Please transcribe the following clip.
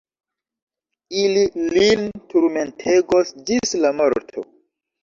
Ili lin turmentegos ĝis la morto.